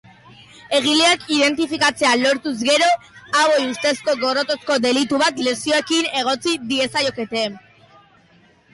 Egileak identifikatzea lortuz gero, hauei ustezko gorrotozko delitu bat lesioekin egotzi diezaiokete.